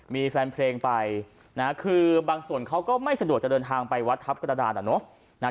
มีแฟนเพลงไปนะคือบางส่วนเขาก็ไม่สะดวกจะเดินทางไปวัดทัพกระดานอะเนาะ